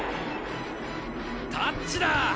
タッチだー！